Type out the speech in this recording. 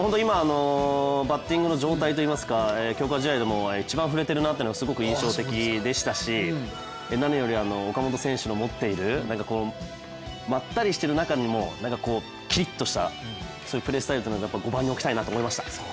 バッティングの状態といいますか、強化試合でも一番振れているなというのがすごく印象的でしたし何より岡本選手の持っているまったりしている中にもキリッとしたプレースタイル、５番に置きたいなと思いました。